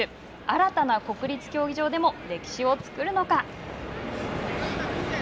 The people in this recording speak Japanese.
新たな国立競技場でも歴史を作るのか。